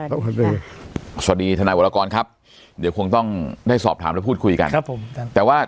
สวัสดีทนายวรกรครับเดี๋ยวคงต้องได้สอบถามและพูดคุยกันครับผมแต่ว่า